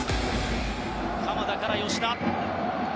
鎌田から吉田。